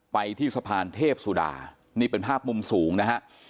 ไปที่สะพานเทพสุดานี่เป็นภาพมุมสูงนะฮะ